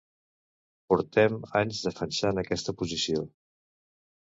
Portem anys defensant aquesta posició